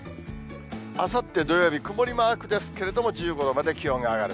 あさって土曜日、曇りマークですけれども、１５度まで気温が上がる。